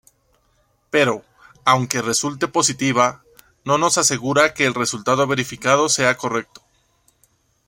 Pero, aunque resulte positiva, no nos asegura que el resultado verificado sea correcto.